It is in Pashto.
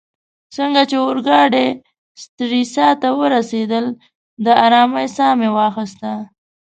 څنګه چي اورګاډې سټریسا ته ورسیدل، د آرامۍ ساه مې واخیسته.